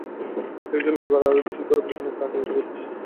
সেই জন্য এবার আরও বেশি করি ভূঁইয়োত আগে ভাগে আলু নাগাছি।